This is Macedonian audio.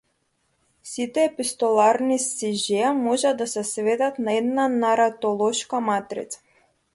Сите епистоларни сижеа можат да се сведат на една наратолошка матрица.